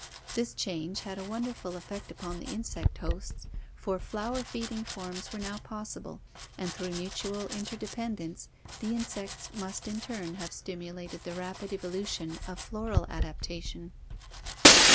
This change had a wonderful effect upon the insect hosts, for flower feeding forms were now possible and through mutual interdependence the insects must in turn have stimulated the rapid evolution of floral adaptation.